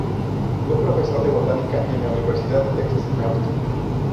Fue profesor de botánica en la Universidad de Texas en Austin.